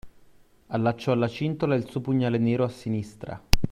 Allacciò alla cintola il suo pugnale nero a sinistra